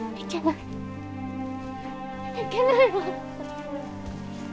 いけないわ。